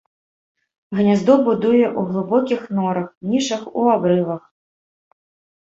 Гняздо будуе ў глыбокіх норах, нішах у абрывах.